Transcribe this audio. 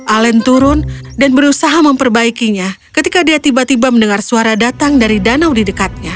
alen turun dan berusaha memperbaikinya ketika dia tiba tiba mendengar suara datang dari danau di dekatnya